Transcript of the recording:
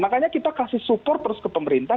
makanya kita kasih support terus ke pemerintah